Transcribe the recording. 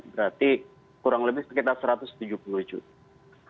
berarti kurang lebih sekitar satu ratus tujuh puluh juta